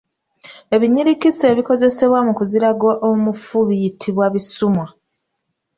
Ebinyirikisi ebikozesebwa mu kuziraga omufu biyitibwa Bisuumwa.